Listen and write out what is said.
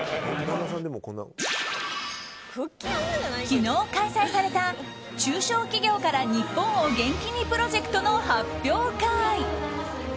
昨日開催された中小企業からニッポンを元気にプロジェクトの発表会。